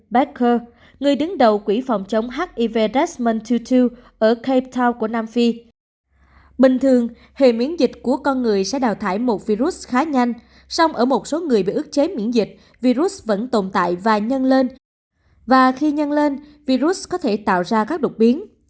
bình thường hệ miễn dịch của con người sẽ đào thải một virus khá nhanh song ở một số người bị ước chế miễn dịch virus vẫn tồn tại và nhân lên và khi nhân lên virus có thể tạo ra các đột biến